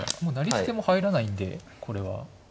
もう成り捨ても入らないんでこれは。